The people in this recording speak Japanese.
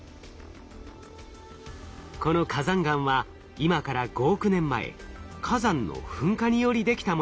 この火山岩は今から５億年前火山の噴火によりできたもの。